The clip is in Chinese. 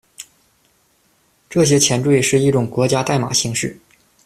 这些前缀是一种国家代码形式。